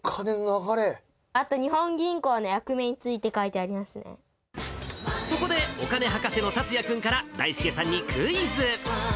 あと日本銀行の役目についてそこで、お金博士の達哉君からだいすけさんにクイズ。